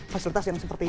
fasilitas yang seperti itu